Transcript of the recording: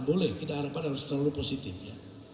boleh kita harapkan harus terlalu positif ya